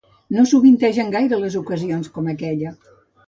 No sovintegen gaire les ocasions com aquella.